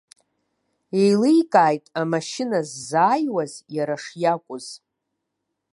Иеиликааит амашьына ззааиуаз иара шиакәыз.